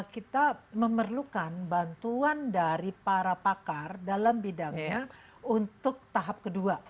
kita memerlukan bantuan dari para pakar dalam bidangnya untuk tahap kedua